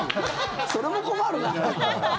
それも困るな。